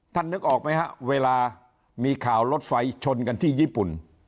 นึกออกไหมฮะเวลามีข่าวรถไฟชนกันที่ญี่ปุ่น